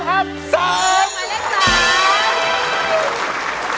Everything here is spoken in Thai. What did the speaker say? หมายเลข๓